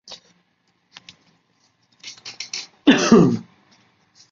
川北凉粉是四川南充的著名小吃。